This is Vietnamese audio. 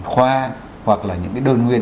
khoa hoặc là những cái đơn nguyên